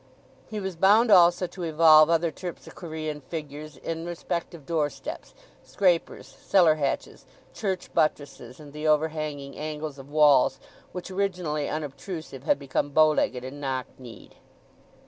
He was bound also to evolve other Terpsichorean figures in respect of door steps, scrapers, cellar hatches, church buttresses, and the overhanging angles of walls which, originally unobtrusive, had become bow legged and knock kneed.